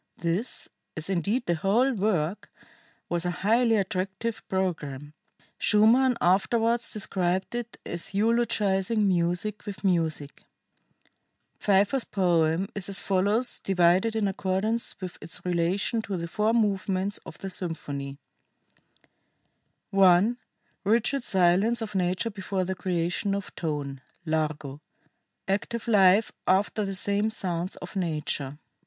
This, as indeed the whole work, was a highly attractive programme [Schumann afterwards described it as 'eulogizing music with music']." Pfeiffer's poem is as follows, divided in accordance with its relation to the four movements of the symphony: [I. RIGID SILENCE OF NATURE BEFORE THE CREATION OF TONE: Largo. ACTIVE LIFE AFTER THE SAME. SOUNDS OF NATURE.